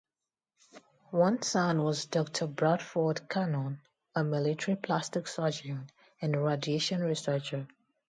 One son was Doctor Bradford Cannon, a military plastic surgeon and radiation researcher.